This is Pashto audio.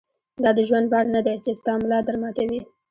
دا د ژوند بار نه دی چې ستا ملا در ماتوي.